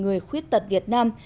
người khuyết tật việt nam